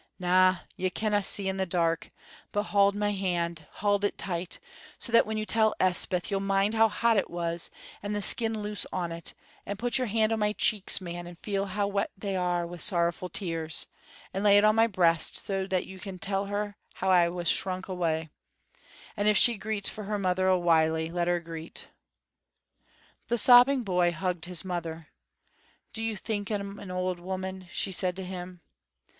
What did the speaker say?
Na, you canna see in the dark, but haud my hand, haud it tight, so that, when you tell Elspeth, you'll mind how hot it was, and the skin loose on it; and put your hand on my cheeks, man, and feel how wet they are wi' sorrowful tears, and lay it on my breast, so that you can tell her how I was shrunk awa'. And if she greets for her mother a whiley, let her greet." The sobbing boy hugged his mother. "Do you think I'm an auld woman?" she said to him.